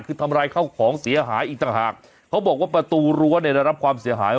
คือทำร้ายเข้าของเสียหายอีกต่างหากเขาบอกว่าประตูรั้วเนี่ยได้รับความเสียหาย